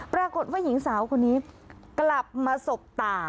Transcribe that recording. ปรากฏว่าหญิงสาวคนนี้กลับมาสบตา